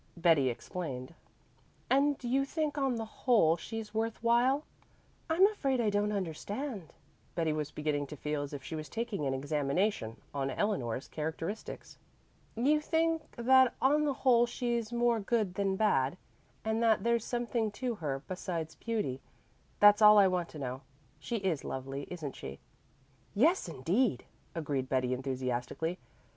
Betty explained. "And you think that on the whole she's worth while?" "I'm afraid I don't understand " Betty was beginning to feel as if she was taking an examination on Eleanor's characteristics. "You think that on the whole she's more good than bad; and that there's something to her, besides beauty. That's all I want to know. She is lovely, isn't she?" "Yes, indeed," agreed Betty enthusiastically.